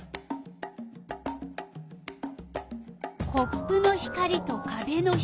コップの光とかべの光。